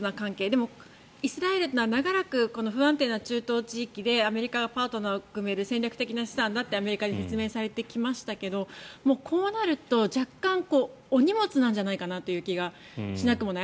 でも、イスラエルって長らく不安定な中東地域でアメリカがパートナーを組める戦略的な資産だってアメリカに説明されてきましたがこうなると若干、お荷物なんじゃないかなという気がしなくもない。